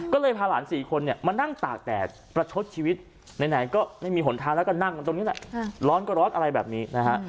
ก็เลยพาหลาน๔คนเนี่ยมานั่งตากแดดประชดชีวิตไหนก็ไม่มีหนทางแล้วก็นั่งตรงนี้แหละร้อนก็ร้อนอะไรแบบนี้นะฮะ